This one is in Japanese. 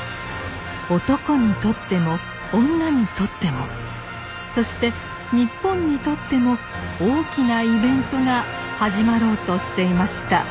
男にとっても女にとってもそして日本にとっても大きなイベントが始まろうとしていました。